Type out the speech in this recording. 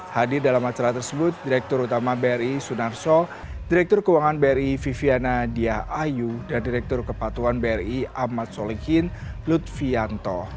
hadir dalam acara tersebut direktur utama bri sunarso direktur keuangan bri viviana diah ayu dan direktur kepatuan bri ahmad solihin lutfianto